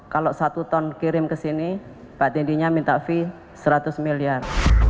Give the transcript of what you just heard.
kalau satu ton kirim ke sini pak dendinya minta fee seratus miliar